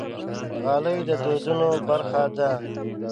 غالۍ د دودونو برخه ده.